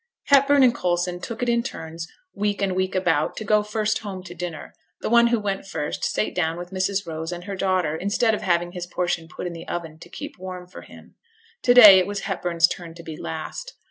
Hepburn and Coulson took it in turns week and week about to go first home to dinner; the one who went first sate down with Mrs. Rose and her daughter, instead of having his portion put in the oven to keep warm for him. To day it was Hepburn's turn to be last.